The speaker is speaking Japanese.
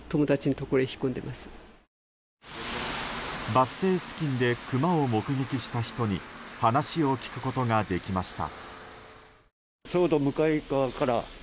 バス停付近でクマを目撃した人に話を聞くことができました。